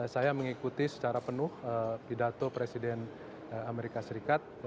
saya mengikuti secara penuh pidato presiden amerika serikat